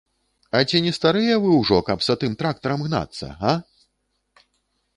А ці не старыя вы ўжо, каб за тым трактарам гнацца, га?